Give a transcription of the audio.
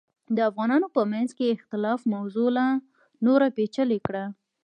د افغانانو په منځ کې اختلاف موضوع لا نوره پیچلې کړه.